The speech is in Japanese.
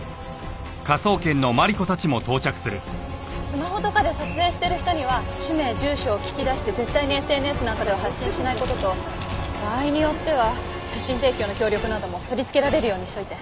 スマホとかで撮影してる人には氏名住所を聞き出して絶対にＳＮＳなんかでは発信しない事と場合によっては写真提供の協力なども取り付けられるようにしておいて。